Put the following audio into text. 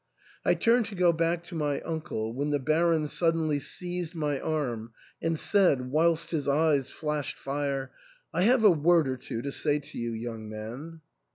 I turned to go back to my uncle, when the Baron suddenly seized my arm and said, whilst his eyes flashed fire, " I have a word or two to say to you, young man.'